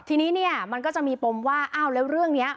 ทีนี้เนี่ยมันก็จะมีปมว่าอ้าวแล้วเรื่องนี้